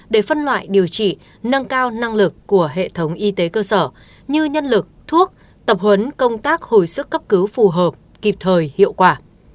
để phân loại điều trị nâng cao năng lực của hệ thống y tế cơ sở như nhân lực thuốc tập huấn công tác hồi sức cấp cứu phù hợp kịp thời hiệu quả